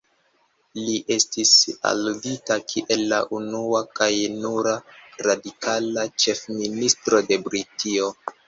Li estis aludita kiel "la unua kaj nura radikala Ĉefministro de Britio".